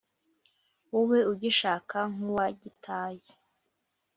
wowe ugishaka nk'uwagitaye